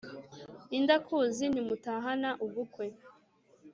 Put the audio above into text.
Indakuzi ntimutahana ubukwe